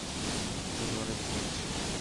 তুমি অনেক নীচ!